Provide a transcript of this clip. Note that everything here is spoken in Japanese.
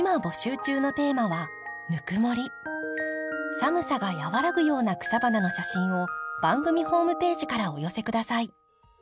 寒さが和らぐような草花の写真を番組ホームページからお寄せ下さい。